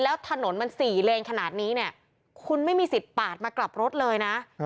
แล้วถนนมัน๔เลนขนาดนี้เนี่ยคุณไม่มีสิทธิ์ปาดมากลับรถเลยนะ